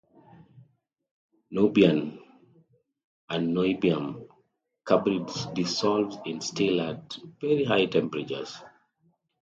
Niobium and niobium carbide dissolves in steel at very high temperatures.